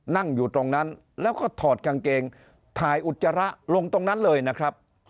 นั่งอยู่ตรงนั้นแล้วก็ถอดกางเกงถ่ายอุจจาระลงตรงนั้นเลยนะครับ